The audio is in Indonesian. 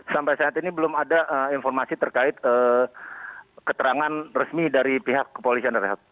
sampai saat ini belum ada informasi terkait keterangan resmi dari pihak kepolisian res